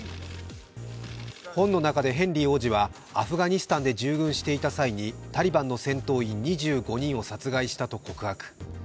本の中でヘンリー王子は、アフガニスタンで従軍していた際にタリバンの戦闘員２５人を殺害したと告白。